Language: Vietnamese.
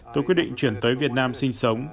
tôi quyết định chuyển tới việt nam sinh sống